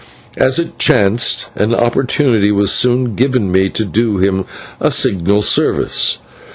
As it chanced, an opportunity was soon given to me to do him a signal service.